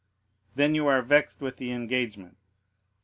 "Then you are vexed with the engagement?"